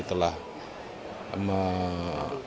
kalau misalnya keputusan mahkamah konstitusi